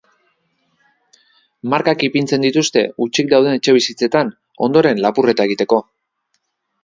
Markak ipintzen dituzte hutsik dauden etxebizitzetan, ondoren lapurreta egiteko.